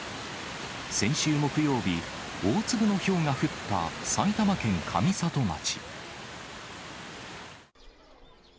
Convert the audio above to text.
先週木曜日、大粒のひょうが降った埼玉県上里町。